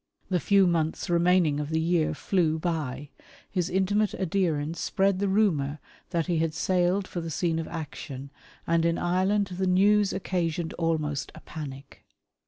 The few months remaining of the year flew by ; his intimate adherents spread the rumour that he had sailed for the scene of action, and in Ireland the news occasioned almost a panic.